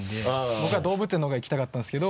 僕は動物園のほうが行きたかったんですけど。